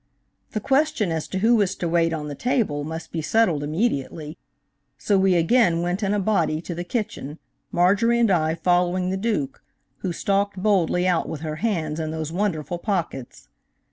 The question as to who was to wait on the table must be settled immediately, so we again went in a body to the kitchen, Marjorie and I following the Duke, who stalked boldly out with her hands in those wonderful pockets.